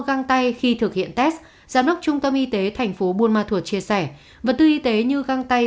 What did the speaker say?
găng tay khi thực hiện test giám đốc trung tâm y tế tp buôn ma thuật chia sẻ vật tư y tế như găng tay